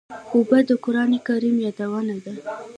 اوبه د قرآن کریم یادونه ده.